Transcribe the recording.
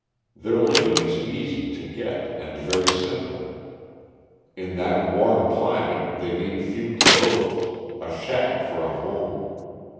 Their living is easy to get and very simple. In that warm climate they need few clothes; a shack for a home.